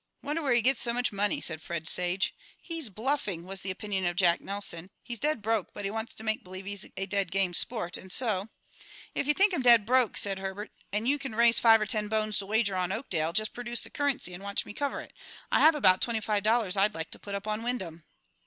"Wonder where he gets so much money?" said Fred Sage. "He's bluffing," was the opinion of Jack Nelson. "He's dead broke, but he wants to make believe that he's a dead game sport, and so " "If you think I'm dead broke," said Herbert, "and you can raise five or ten bones to wager on Oakdale, just produce the currency and watch me cover it. I have about twenty five dollars I'd like to put up on Wyndham."